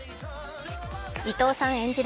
伊藤さん演じる